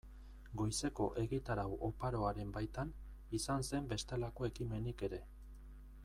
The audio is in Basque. Goizeko egitarau oparoaren baitan, izan zen bestelako ekimenik ere.